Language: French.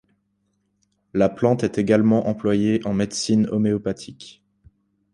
La plante est également employée en médecine homéopathique.